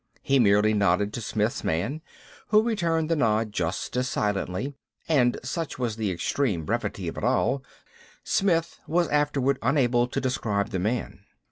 He merely nodded to Smith's man, who returned the nod just as silently; and such was the extreme brevity of it all, Smith was afterward unable to describe the man.